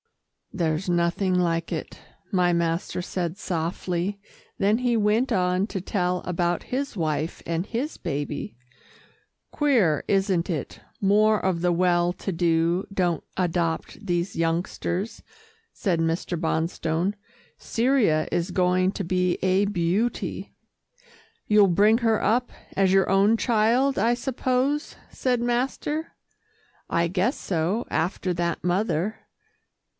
"There's nothing like it," my master said softly, then he went on to tell about his wife and his baby. "Queer, isn't it, more of the well to do don't adopt these youngsters," said Mr. Bonstone. "Cyria is going to be a beauty." "You'll bring her up as your own child, I suppose," said master. "I guess so after that mother."